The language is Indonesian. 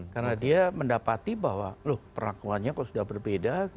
karena dia mendapati bahwa loh perlakuannya kalau sudah berbeda